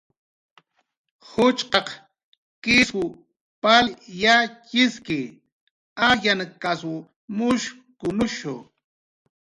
Juchqaq kisw pal yatxiski, ariyankasw mushkunushu